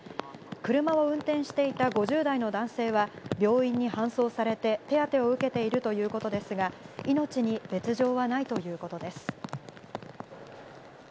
車を運転していた５０代の男性は、病院に搬送されて手当てを受けているということですが、命に別状はないということです。